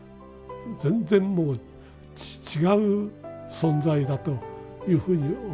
全然もう違う存在だというふうに思います。